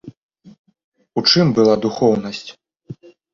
У чым была духоўнасць?